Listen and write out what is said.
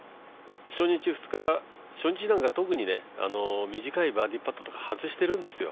初日なんか特に短いバーディーパット外してるんですよ。